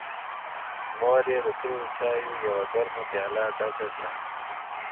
مور یې د تورو چایو یوه ګرمه پیاله ډکه کړه.